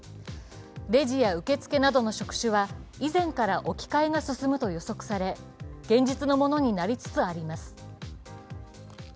レジや受付などの職種は以前から置き換えが進むと予測され、現実のものになりつつあります。